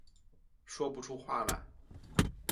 说不出话来